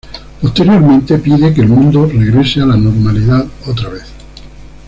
Posteriormente pide que el mundo regrese a la normalidad otra vez.